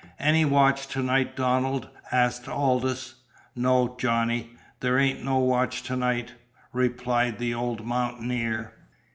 "Any watch to night, Donald?" asked Aldous. "No, Johnny, there ain't no watch to night," replied the old mountaineer.